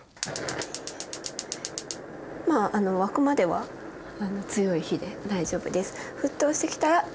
沸くまでは強い火で大丈夫です。